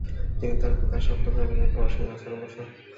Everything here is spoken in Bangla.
তিনি তার পিতা সপ্তম হেনরির পর সিংহাসনে বসেন।